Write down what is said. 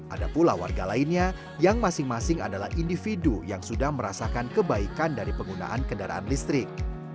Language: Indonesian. ada pula warga lainnya yang masing masing adalah individu yang sudah merasakan kebaikan dari penggunaan kendaraan listrik